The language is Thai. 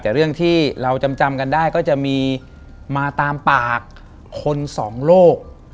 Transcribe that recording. แต่เรื่องที่เราจำกันได้ก็จะมีมาตามปากคนสองโลก